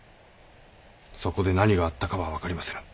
そこで何があったかは分かりませぬ。